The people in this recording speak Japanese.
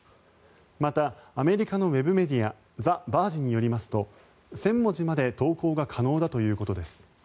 また、アメリカのウェブメディアザ・バージによりますと１０００文字まで投稿が可能だということです。